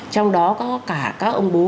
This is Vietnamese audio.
trong đó có cả các ông bố